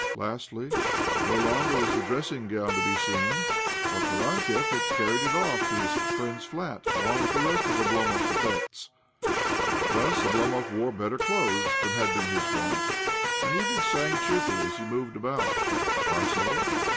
Lastly, no longer was the dressing gown to be seem, for Tarantiev had carried it off to his friend's flat, along with the rest of Oblomov's effects. Thus Oblomov wore better clothes than had been his wont, 4 OBLOMOV 163 and even sang cheerfully as he moved about. Why so